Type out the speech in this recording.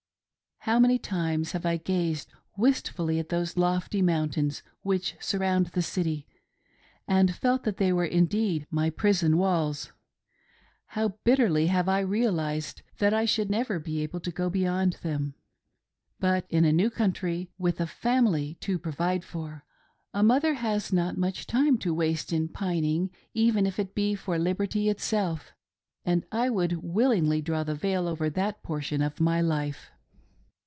How many times have I gazed wistfully at those lofty mountains which surrounded the city, and felt that they were indeed my prison walls. How bitterly have I realised that I should never be able to go beyond them. But in a new country, with a family to provide for, a mother has not much time to waste in pining, even if it be for liberty itself, and I would willingly draw the veil over that portion of my life.